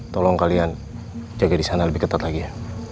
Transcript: tolong kalian jaga di sana lebih ketat lagi ya